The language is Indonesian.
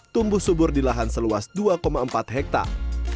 tumbuh subur di lahan seluas dua empat hektare